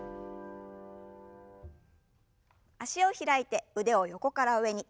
脚を開いて腕を横から上に。